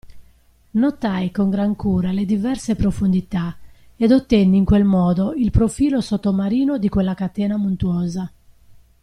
Notai con gran cura le diverse profondità, ed ottenni in quel modo il profilo sottomarino di quella catena montuosa.